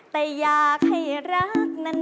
แต่อยากให้รักนั้น